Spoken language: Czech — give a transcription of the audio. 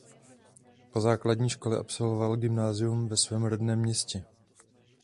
Po základní škole absolvoval gymnázium ve svém rodném městě.